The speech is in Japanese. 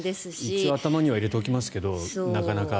一応頭には入れておきますけどなかなか。